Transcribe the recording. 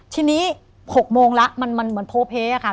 ทีนี้๖โมงแล้วมันเหมือนโพเพอะค่ะ